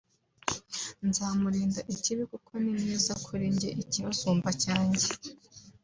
nzamurinda ikibi kuko ni mwiza kuri njye ikibasumba cyanjye